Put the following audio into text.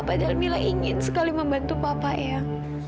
padahal mila ingin sekali membantu papa ya